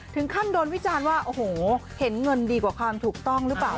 ถึงขั้นโดนวิจารณ์ว่าโอ้โหเห็นเงินดีกว่าความถูกต้องหรือเปล่า